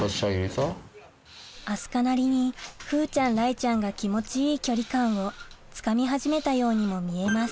明日香なりに風ちゃん雷ちゃんが気持ちいい距離感をつかみ始めたようにも見えます